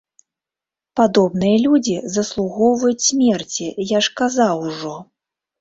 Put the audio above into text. Падобныя людзі заслугоўваюць смерці, я ж казаў ужо.